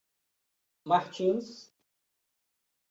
Martins